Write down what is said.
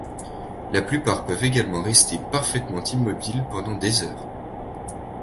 La plupart peuvent également rester parfaitement immobiles pendant des heures.